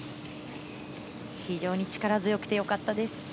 非常に力強くて良かったです。